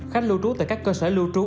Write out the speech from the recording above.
khách lưu trú tại các cơ sở lưu trú